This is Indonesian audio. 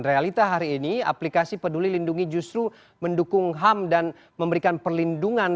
realita hari ini aplikasi peduli lindungi justru mendukung ham dan memberikan perlindungan